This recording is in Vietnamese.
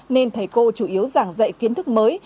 nên thầy cô chủ yếu giảng dạy kiến thức mới